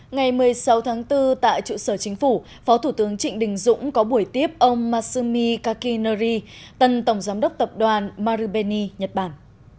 ngày một mươi sáu tháng bốn tại trụ sở chính phủ phó thủ tướng trịnh đình dũng có buổi tiếp ông masumi kakinori tân tổng giám đốc tập đoàn marubeni nhật bản